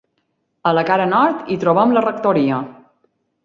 A la cara nord hi trobem la rectoria.